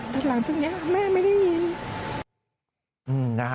แต่หลังจากนี้แม่ไม่ได้ยิน